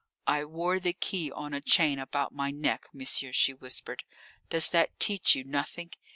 "I wore the key on a chain about my neck, monsieur," she whispered. "Does that teach you nothing?